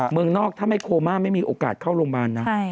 เมืองนอกถ้าไม่โคม่าไม่มีโอกาสเข้าโรงพยาบาลนะ